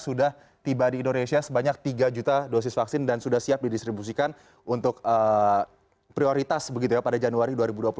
sudah tiba di indonesia sebanyak tiga juta dosis vaksin dan sudah siap didistribusikan untuk prioritas begitu ya pada januari dua ribu dua puluh satu